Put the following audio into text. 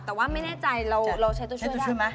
แต่ว่าไม่แน่ใจเราใช้ตัวช่วยได้ไหม